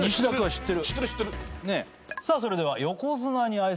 知ってる。